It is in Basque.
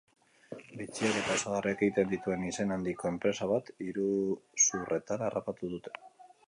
Bitxiak eta osagarriak egiten dituen izen handiko enpresa bat iruzurretan harrapatu dute.